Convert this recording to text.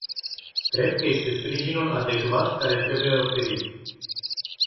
Cred că este sprijinul adecvat care trebuie oferit.